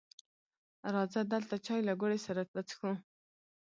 راځه دلته چای له ګوړې سره وڅښو